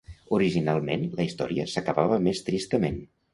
Originalment la història s'acabava més tristament.